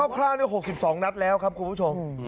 คราวนี้๖๒นัดแล้วครับคุณผู้ชม